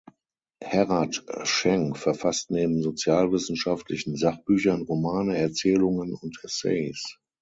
Herrad Schenk verfasst neben sozialwissenschaftlichen Sachbüchern Romane, Erzählungen und Essays.